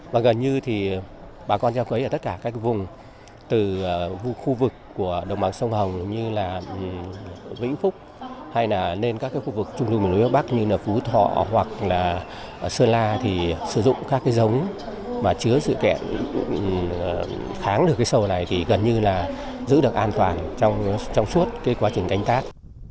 và gần như thì bà con giao cấy ở tất cả các vùng từ khu vực của đồng bằng sông hồng như là vĩnh phúc hay là lên các khu vực trung thương bình đối bắc như là phú thọ hoặc là sơn la thì sử dụng các cái giống mà chứa sự kiện kháng được cái sâu này thì gần như là giữ được an toàn trong suốt cái quá trình cánh tát